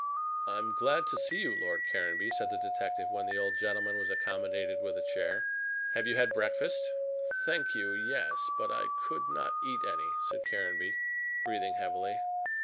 "I am glad to see you, Lord Caranby," said the detective, when the old gentleman was accommodated with the chair, "have you had breakfast?" "Thank you, yes. But I could not eat any," said Caranby, breathing heavily.